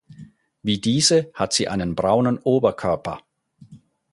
Wie diese hat sie einen braunen Oberkörper.